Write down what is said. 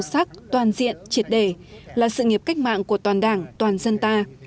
sâu sắc toàn diện triệt đề là sự nghiệp cách mạng của toàn đảng toàn dân ta